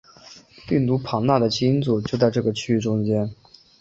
病毒庞大的基因组就在这个区域之中。